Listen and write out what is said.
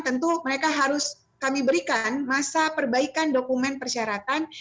tentu mereka harus kami berikan masa perbaikan dokumen persyaratan